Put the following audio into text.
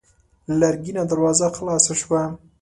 لرګينه دروازه خلاصه شوه.